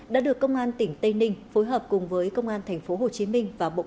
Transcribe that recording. đã được công an tỉnh tây ninh phối hợp cùng với công an tp hcm và bộ công an triệt phá thành công